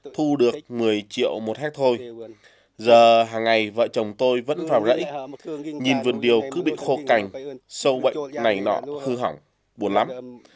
thu được một mươi triệu một hectare thôi giờ hằng ngày vợ chồng tôi vẫn vào lẫy nhìn vườn điều cứ bị khô cảnh sâu bệnh này nọ hư hỏng buồn lắm